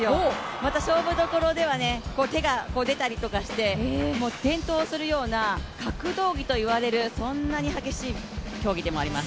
また勝負どころでは手が出たりとかして転倒するような格闘技とよばれる、そんな激しい競技でもあります。